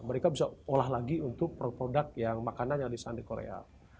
mereka bisa olah lagi untuk produk produk yang makanan yang ada di korea